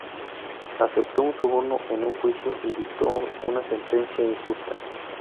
Aceptó un soborno en un juicio y dictó una sentencia injusta.